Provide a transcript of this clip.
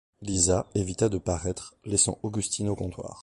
Lisa évita de paraître, laissant Augustine au comptoir.